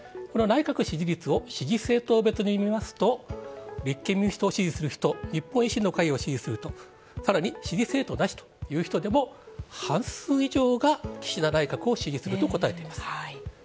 この内閣支持率を支持政党別に見ますと、立憲民主党を支持する人、日本維新の会を支持する人、さらに支持政党なしという人でも、半数以上が岸田内閣を支持すると答えています。